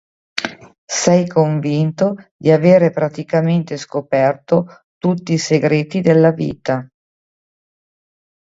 Sei convinto di avere praticamente scoperto tutti i segreti della vita.